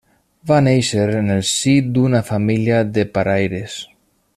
Va néixer en el si d’una família de paraires.